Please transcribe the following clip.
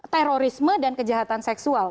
terorisme dan kejahatan seksual